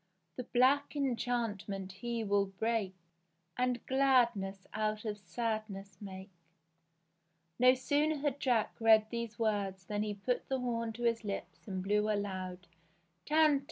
The black enchantment he will break, And gladness out of sadness make." No sooner had Jack read these words than he put the horn to his lips and blew a loud Tantivy